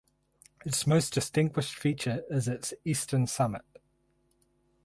Its most distinguished feature is its eastern summit.